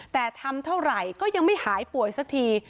แต่ทำเท่าไหร่ก็ยังไม่หายป่วยสักที